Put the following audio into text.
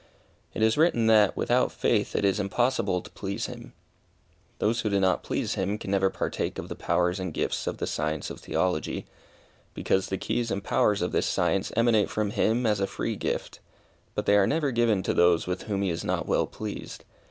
It is written that, "without faith it is impossible to please Him." Those who do not please Him, can never partake of the powers and gifts of the science of Theology, because the keys and powers of this science emanate from Him as a free gift, but they are never given to those with whom He is not well pleased.